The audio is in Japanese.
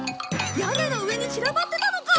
屋根の上に散らばってたのか。